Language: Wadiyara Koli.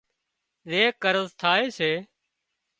زي قرض ٿائي سي